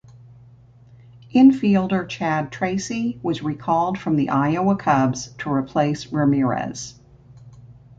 Infielder Chad Tracy was recalled from the Iowa Cubs to replace Ramirez.